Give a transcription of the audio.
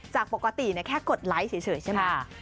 จากปกติแค่กดไลค์เฉยใช่ไหม